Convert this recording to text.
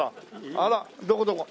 あらどこどこ。